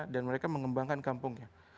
dan mereka mengembangkan kampungnya